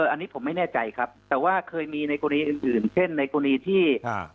อันนี้ผมไม่แน่ใจครับแต่ว่าเคยมีในกรณีอื่นเช่นในกรณีที่